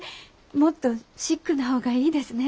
もっとシックな方がいいですね。